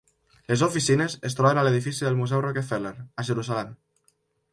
Les oficines es troben a l'edifici del Museu Rockefeller, a Jerusalem.